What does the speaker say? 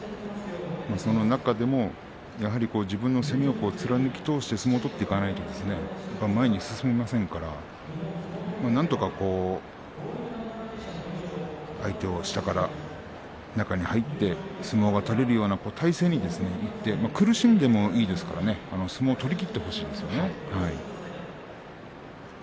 その中でもやはり自分の攻めを貫き通して相撲を取っていかないと前に進めませんから、なんとか相手を下から中に入って相撲が取れるような体勢にいって苦しんでもいいですからね相撲を取りきってほしいですよね。